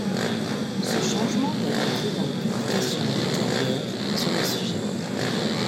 Ce changement est repris dans les publications ultérieures sur le sujet.